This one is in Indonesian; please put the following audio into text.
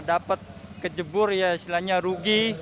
dapat kejebur ya istilahnya rugi